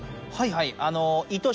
はいはい。